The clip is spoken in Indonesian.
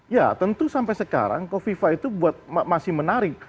ya tentu sampai sekarang kofifa itu masih menarik